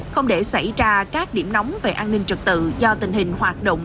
không để xảy ra các điểm nóng về an ninh trật tự do tình hình hoạt động